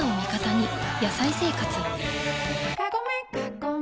「野菜生活」